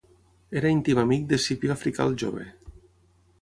Era íntim amic d'Escipió Africà el Jove.